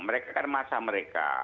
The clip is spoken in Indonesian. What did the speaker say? mereka kan masa mereka